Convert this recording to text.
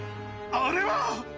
あれは！